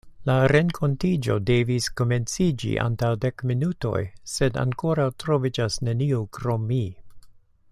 La renkontiĝo devis komenciĝi antaŭ dek minutoj, sed ankoraŭ troviĝas neniu krom mi.